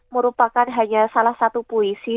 merupakan hanya salah satu puisi